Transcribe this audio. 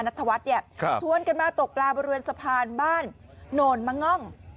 นัทวัฒน์เนี่ยชวนกันมาตกปลาบริเวณสะพานบ้านโนนมะง่อง